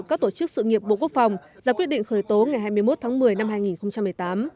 các tổ chức sự nghiệp bộ quốc phòng ra quyết định khởi tố ngày hai mươi một tháng một mươi năm hai nghìn một mươi tám